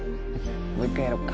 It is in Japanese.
もう一回やろうか？